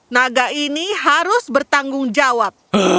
naga ini harus bertanggung jawab